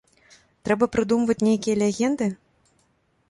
Трэба прыдумваць нейкія легенды?